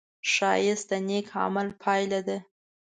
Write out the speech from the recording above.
ښایست د نېک عمل پایله ده